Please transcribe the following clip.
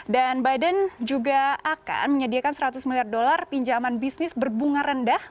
dan biden juga akan menyediakan seratus miliar dolar pinjaman bisnis berbunga rendah